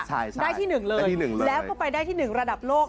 ใช่ได้ที่๑เลยแล้วก็ไปได้ที่๑ระดับโลก